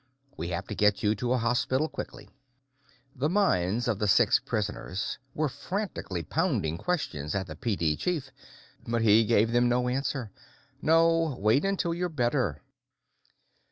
We have to get you to a hospital quickly." The minds of the six prisoners were frantically pounding questions at the PD chief, but he gave them no answer. "No; wait until you're better."